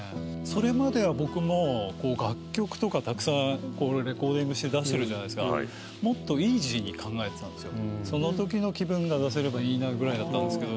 それまでは僕も楽曲とかたくさんレコーディングして出してるじゃないですかその時の気分が出せればいいなぐらいだったんですけど